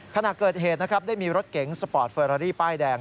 ขณะเกิดเหตุนะครับได้มีรถเก๋งสปอร์ตเฟอรารี่ป้ายแดง